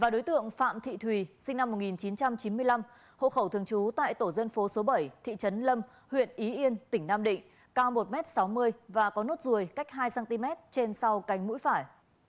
đối tượng phạm thị thùy sinh năm một nghìn chín trăm chín mươi năm hộ khẩu thường trú tại tổ dân phố số bảy thị trấn lâm huyện ý yên tỉnh nam định cao một m sáu mươi và có nốt ruồi cách hai cm trên sau cánh mũi phải